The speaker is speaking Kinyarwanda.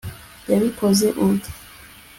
yabikoze ubwe